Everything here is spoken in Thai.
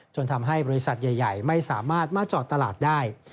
ทำให้บริษัทใหญ่ไม่สามารถมาจอดตลาดได้